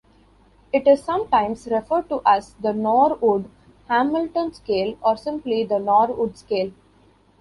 It is sometimes referred to as the Norwood-Hamilton scale or simply the Norwood scale.